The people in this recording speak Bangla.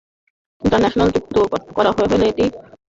ইন্টারনেটে যুক্ত করা হলে এটি বিশ্বের যেকোনো স্থানেই ছবি পাঠাতে পারবে।